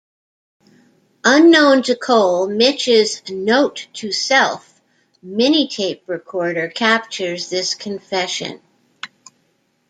Unknown to Cole, Mitch's "note to self" mini-tape recorder captures this confession.